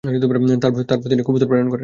তারপর তিনি কবুতর প্রেরণ করেন।